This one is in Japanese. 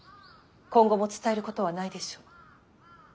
今後も伝えることはないでしょう。